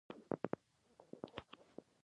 څه چې په تاریخ کې پېښ شول دوه شیان وو.